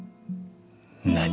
何！？